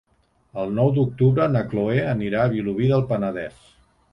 El nou d'octubre na Cloè anirà a Vilobí del Penedès.